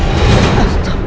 kabur kabur kabur